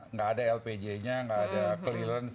nggak ada lpj nya nggak ada clearance